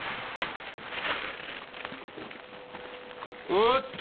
おーっと！